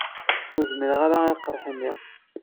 Ur zmireɣ arq i lqerḥ-nni.